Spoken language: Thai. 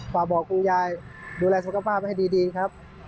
ฝากบอกคุณยายดูแลสุขภาพให้ดีครับ